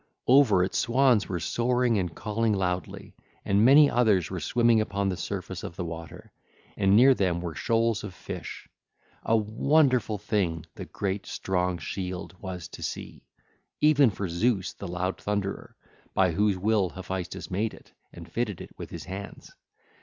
Over it swans were soaring and calling loudly, and many others were swimming upon the surface of the water; and near them were shoals of fish. (ll. 318 326) A wonderful thing the great strong shield was to see—even for Zeus the loud thunderer, by whose will Hephaestus made it and fitted it with his hands.